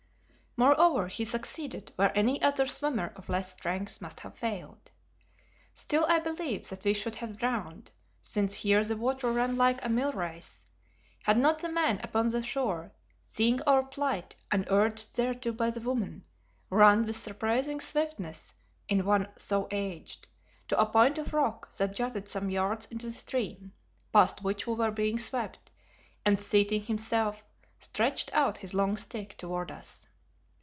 Moreover, he succeeded where any other swimmer of less strength must have failed. Still, I believe that we should have drowned, since here the water ran like a mill race, had not the man upon the shore, seeing our plight and urged thereto by the woman, run with surprising swiftness in one so aged, to a point of rock that jutted some yards into the stream, past which we were being swept, and seating himself, stretched out his long stick towards us.